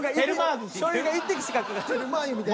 醤油が１滴しかかかってない。